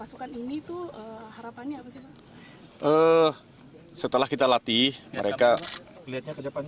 oke harapannya dengan melepas pasukan ini tuh harapannya apa sih pak